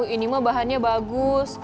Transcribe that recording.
ini mah bahannya bagus